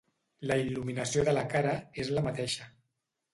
La il·luminació de la cara és la mateixa.